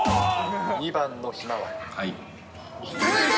２番のひまわり。